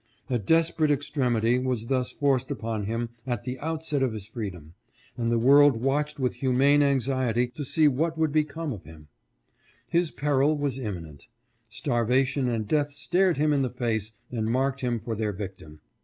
A desperate extremity was thus forced senator sumner's speech. 527 upon him at the outset of his freedom, and the world watched with humane anxiety to see what would become of him. His peril was imminent. Starvation and death stared him in the face and marked him for their victim.